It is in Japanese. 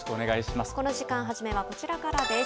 この時間、初めはこちらからです。